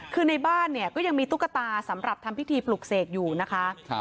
คือในบ้านเนี่ยก็ยังมีตุ๊กตาสำหรับทำพิธีปลุกเสกอยู่นะคะ